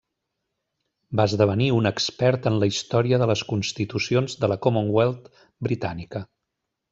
Va esdevenir un expert en la història de les constitucions de la Commonwealth britànica.